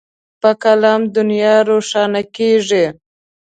په قلم دنیا روښانه کېږي.